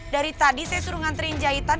dari tadi saya suruh nganterin jahitan